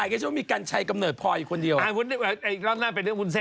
อายุว่ะหัวเก่ียด